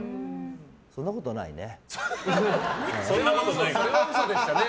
そんなことないね。